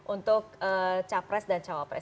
untuk capres dan cawapres